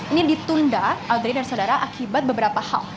ini ditunda audrey dari saudara akibat beberapa hal